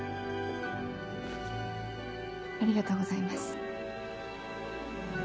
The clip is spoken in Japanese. ありがとうございます。